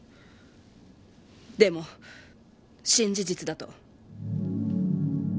でも新事実だと。